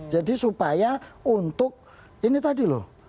jadi supaya untuk ini tadi loh